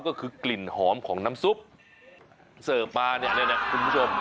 ก็คือกลิ่นหอมของน้ำซุปเสิร์ฟมาเนี่ยเลยนะคุณผู้ชม